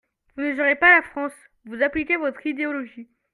Vous ne gérez pas la France, vous appliquez votre idéologie.